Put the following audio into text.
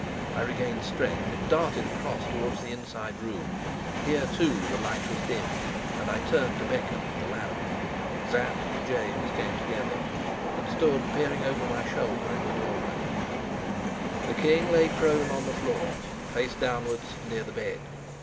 I regained strength, and darted across towards the inside room. Here too the light was dim, and I turned to beckon for the lamp. Sapt and James came together, and stood peering over my shoulder in the doorway. The king lay prone on the floor, face downwards, near the bed.